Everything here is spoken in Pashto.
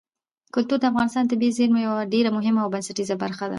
کلتور د افغانستان د طبیعي زیرمو یوه ډېره مهمه او بنسټیزه برخه ده.